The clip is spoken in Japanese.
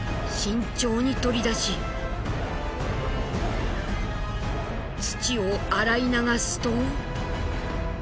慎重に取り出し土を洗い流すと。